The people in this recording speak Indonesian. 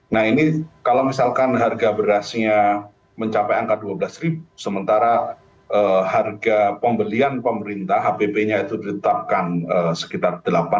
nah ini kalau misalkan harga berasnya mencapai angka dua belas sementara harga pembelian pemerintah hpp nya itu ditetapkan sekitar delapan